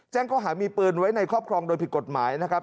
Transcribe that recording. ข้อหามีปืนไว้ในครอบครองโดยผิดกฎหมายนะครับ